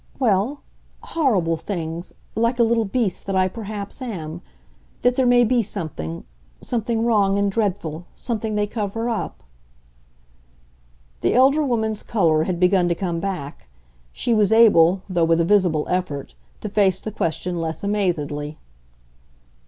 "Well, horrible things like a little beast that I perhaps am. That there may be something something wrong and dreadful, something they cover up." The elder woman's colour had begun to come back; she was able, though with a visible effort, to face the question less amazedly.